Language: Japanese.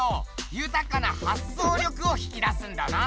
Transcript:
豊かな発想力を引き出すんだな。